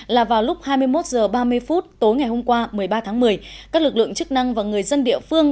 là vào lúc hai mươi một h ba mươi phút tối ngày hôm qua một mươi ba tháng một mươi các lực lượng chức năng và người dân địa phương